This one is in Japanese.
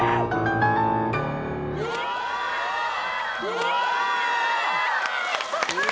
うわ！